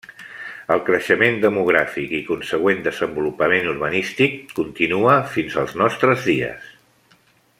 El creixement demogràfic i consegüent desenvolupament urbanístic continua fins als nostres dies.